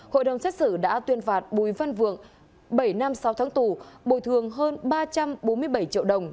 hội đồng xét xử đã tuyên phạt bùi văn vượng bảy năm sáu tháng tù bồi thường hơn ba trăm bốn mươi bảy triệu đồng